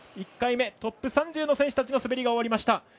１回目トップ３０の選手たちの滑りが終わりました。